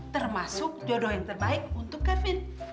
termasuk jodoh yang terbaik untuk kevin